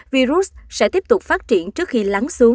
virus sẽ tiếp tục phát triển trước khi lắng xuống